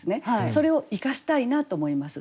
それを生かしたいなと思います。